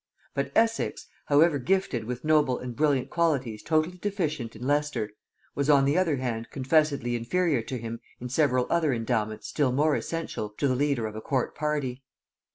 But Essex, however gifted with noble and brilliant qualities totally deficient in Leicester, was on the other hand confessedly inferior to him in several other endowments still more essential to the leader of a court party.